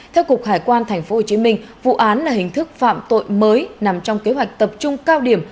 theo cục hải quan tp hcm vụ án là hình thức phạm tội mới nằm trong kế hoạch tập trung cao điểm